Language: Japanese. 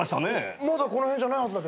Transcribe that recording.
まだこの辺じゃないはずだけど。